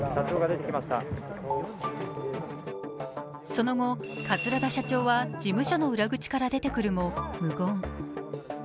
その後、桂田社長は事務所の裏口から出てくるも、無言。